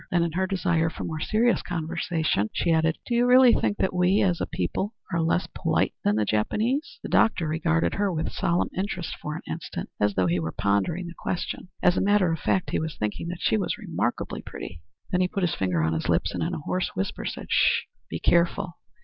Then, in her desire for more serious conversation, she added: "Do you really think that we, as a people, are less polite than the Japanese?" The doctor regarded her with solemn interest for an instant, as though he were pondering the question. As a matter of fact, he was thinking that she was remarkably pretty. Then he put his finger on his lips, and in a hoarse whisper, said, "Sh! Be careful.